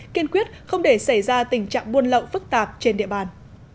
kiên quyết không để xảy ra tình trạng buôn lậu phức tạp trên địa bàn